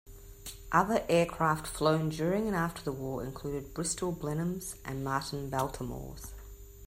Other aircraft flown during and after the war included Bristol Blenheims, and Martin Baltimores.